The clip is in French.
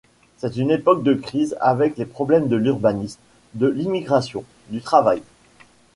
C’est une époque de crise avec les problèmes de l’urbanisme, de l’immigration, du travail.